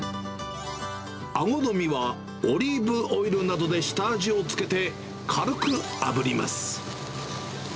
アゴの身は、オリーブオイルなどで下味をつけて、軽くあぶります。